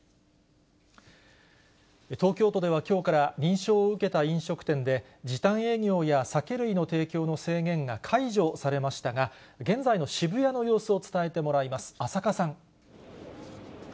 東京都ではきょうから認証を受けた飲食店で、時短営業や酒類の提供の制限が解除されましたが、現在の渋谷の様子を伝えてもらいます、浅賀さん。